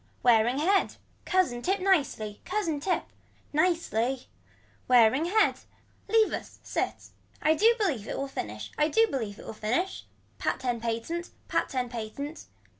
Wearing head. Cousin tip nicely. Cousin tip. Nicely. Wearing head. Leave us sit. I do believe it will finish, I do believe it will finish. Pat ten patent, Pat ten patent.